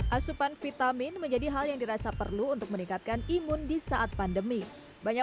asupan vitamin menjadi hal yang dirasa perlu untuk meningkatkan imun di saat pandemi banyak